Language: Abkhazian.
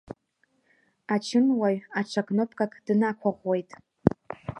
Ачынуаҩ аҽа кнопкак днақәыӷәӷәеит.